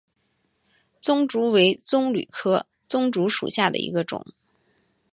棕竹为棕榈科棕竹属下的一个种。